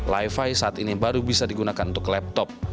li fi saat ini baru bisa digunakan untuk laptop